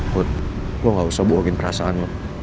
put lo gak usah bohongin perasaan lo